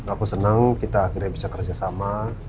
aku senang kita akhirnya bisa kerjasama